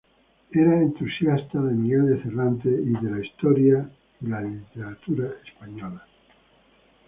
Era entusiasta de Miguel de Cervantes y de la historia y la literatura españolas.